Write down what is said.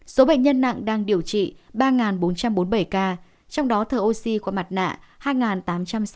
số bệnh nhân nặng đang điều trị ba bốn trăm bốn mươi bảy ca trong đó thở oxy của mặt nạ hai tám trăm sáu mươi tám ca